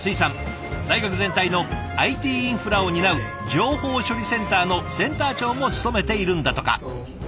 大学全体のＩＴインフラを担う情報処理センターのセンター長も務めているんだとか。